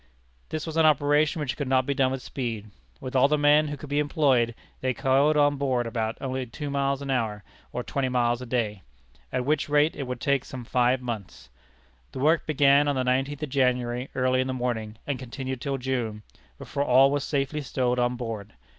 This was an operation which could not be done with speed. With all the men who could be employed, they coiled on board only about two miles an hour, or twenty miles a day at which rate it would take some five months. The work began on the nineteenth of January, early in the morning, and continued till June, before all was safely stowed on board.